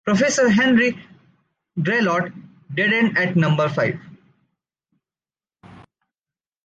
Professor Henri Graillot dead-end at number five